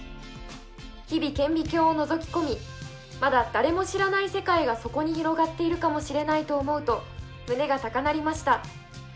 日々、顕微鏡をのぞき込みまだ誰も知らない世界がそこに広がっているかもしれないと思うと胸が高鳴りました。